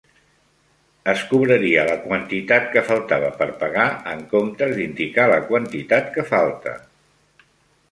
Es cobraria la quantitat que faltava per pagar en comptes d'indicar la quantitat que falta.